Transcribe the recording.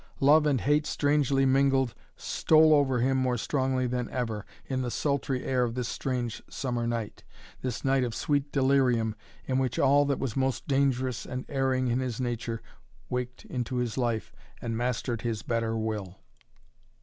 Love and hate strangely mingled stole over him more strongly than ever, in the sultry air of this strange summer night, this night of sweet delirium in which all that was most dangerous and erring in his nature waked into his life and mastered his better will.